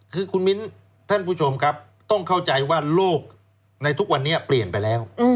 คือคุณมิ้นท่านผู้ชมครับต้องเข้าใจว่าโลกในทุกวันนี้เปลี่ยนไปแล้ว